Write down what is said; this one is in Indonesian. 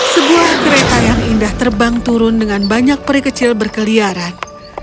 sebuah kereta yang indah terbang turun dengan banyak peri kecil berkeliaran